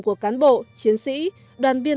của cán bộ chiến sĩ đoàn viên